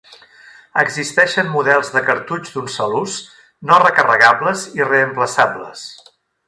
Existeixen models de cartutx d'un sol ús, no recarregables i reemplaçables.